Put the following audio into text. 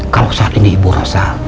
kalau saat ini ibu rasa